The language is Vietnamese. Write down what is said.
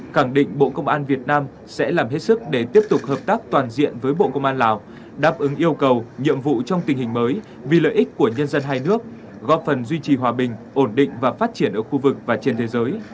khẳng định bộ công an việt nam sẽ làm hết sức để tiếp tục hợp tác toàn diện với bộ công an lào đáp ứng yêu cầu nhiệm vụ trong tình hình mới vì lợi ích của nhân dân hai nước góp phần duy trì hòa bình ổn định và phát triển ở khu vực và trên thế giới